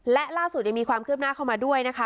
และล่าสุดยังมีความคืบหน้าเข้ามาด้วยนะคะ